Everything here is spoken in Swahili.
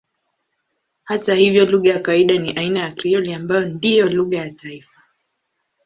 Hata hivyo lugha ya kawaida ni aina ya Krioli ambayo ndiyo lugha ya taifa.